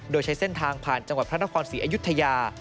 โดยใช้เส้นทางผ่านจังหวัดพระนครศรีอยุธยา